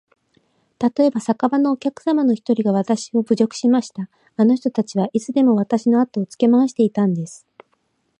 たとえば、酒場のお客の一人がわたしを侮辱しました。あの人たちはいつでもわたしのあとをつけ廻していたんです。